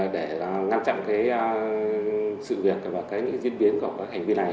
để ngăn chặn sự việc và những diễn biến của hành vi này